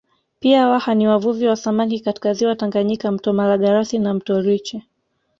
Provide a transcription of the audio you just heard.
Pia Waha ni wavuvi wa samaki katika ziwa Tanganyika mto Malagarasi na Mto Rwiche